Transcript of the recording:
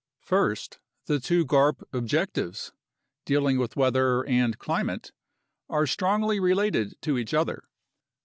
First, the two garp objectives, dealing with weather and climate, are strongly related to each other.